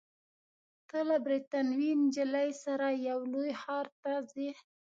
ته له بریتانوۍ نجلۍ سره یو لوی ښار ته ځې.